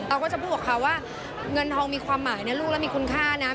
ก็จะพูดกับเขาว่าเงินทองมีความหมายนะลูกแล้วมีคุณค่านะ